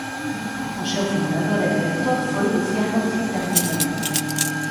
O seu fundador e director foi Luciano Cid Hermida.